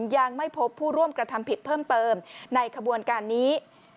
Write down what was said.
ยังไม่พบผู้ร่วมกระทำผิดเพิ่มเติมในขบวนการนี้